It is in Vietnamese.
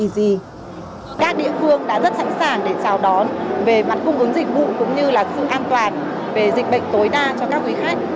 các địa phương đã rất sẵn sàng để chào đón về mặt cung ứng dịch vụ cũng như là sự an toàn về dịch bệnh tối đa cho các quý khách